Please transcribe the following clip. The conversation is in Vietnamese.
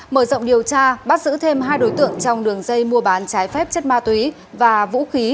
mở rộng điều tra bắt giữ thêm hai đối tượng trong đường dây mua bán trái phép chất ma túy và vũ khí